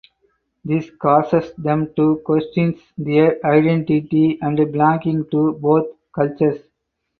This causes them to question their identity and belonging to both cultures.